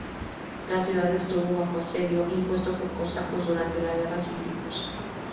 La ciudad estuvo bajo asedio impuesto por cosacos durante la Guerra Civil Rusa.